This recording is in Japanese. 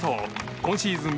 今シーズン